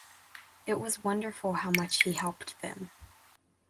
It was wonderful how much he helped them.